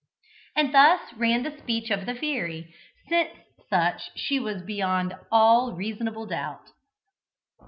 And thus ran the speech of the fairy, since such she was beyond all reasonable doubt.